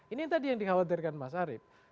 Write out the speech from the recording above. ini tadi yang dikhawatirkan mas arief